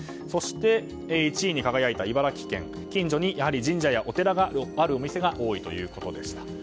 そして、１位に輝いた茨城県近所に神社やお寺があるお店が多いということでした。